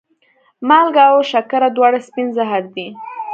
مالګه او شکره دواړه سپین زهر دي.